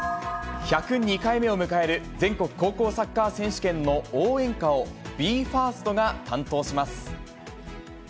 １０２回目を迎える全国高校サッカー選手権の応援歌をＢＥ：ＦＩＲＳＴが担当します。